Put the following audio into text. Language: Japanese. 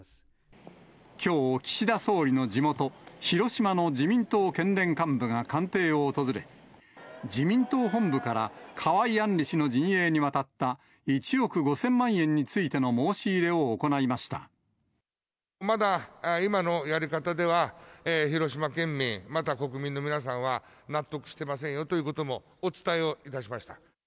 きょう、岸田総理の地元、広島の自民党県連幹部が官邸を訪れ、自民党本部から河井案里氏の陣営に渡った１億５０００万円についまだ今のやり方では広島県民、また国民の皆さんは納得してませんよということもお伝えをいたしました。